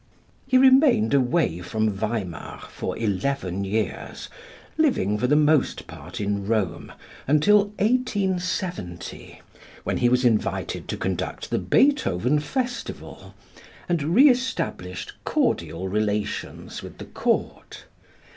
He remained away from Weimar for eleven years, living for the most part in Rome, until 1870, when he was invited to conduct the Beethoven festival and re established cordial relations with the Court.